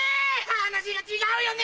話が違うよね！